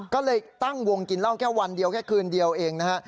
ก็เลยตั้งวงกินเหล้าแค่วันเดียวแค่คืนเดียวเองนะฮะ